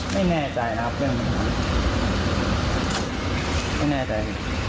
ไม่แน่ใจนะเพื่อนไม่แน่ใจ